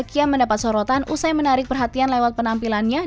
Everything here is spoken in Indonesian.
kian mendapat sorotan usai menarik perhatian lewat penampilannya